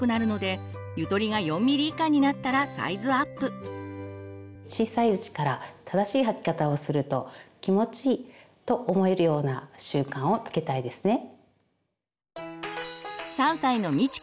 一般的に小さいうちから正しい履き方をすると「気持ちいい」と思えるような習慣をつけたいですね。